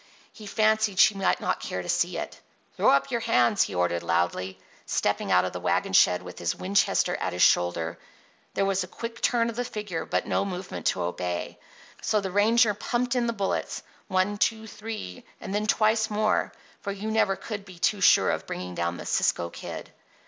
He fancied she might not care to see it. "Throw up your hands," he ordered loudly, stepping out of the wagon shed with his Winchester at his shoulder. There was a quick turn of the figure, but no movement to obey, so the ranger pumped in the bullets—one—two—three—and then twice more; for you never could be too sure of bringing down the Cisco Kid.